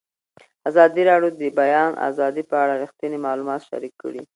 ازادي راډیو د د بیان آزادي په اړه رښتیني معلومات شریک کړي.